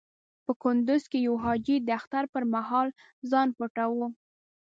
په کندز کې يو حاجي د اختر پر مهال ځان پټاوه.